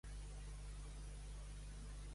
Tots som una mica ridículs a casa.